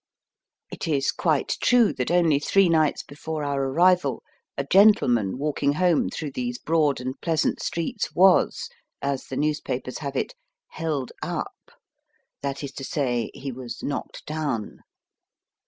It is quite true that only three nights before our arrival a gentleman walking home through these broad and pleasant streets was, as the newspapers have it, '* held up "— that is to say, he was knocked down.